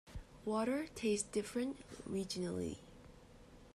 Water tastes different regionally.